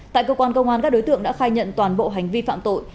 tại cơ quan công an các đối tượng đã khai nhận toàn bộ hành vi phạm tội